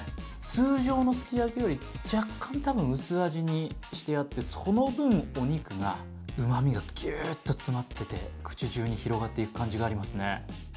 通常のすき焼きより若干薄味にしてあってその分、お肉がうまみがギューッと詰まってて口じゅうに広がっていく感じがありますね。